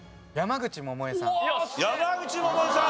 山口百恵さん